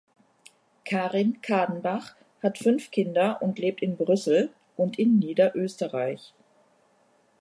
Karin Kadenbach hat fünf Kinder und lebt in Brüssel und in Niederösterreich.